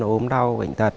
ốm đau bệnh tật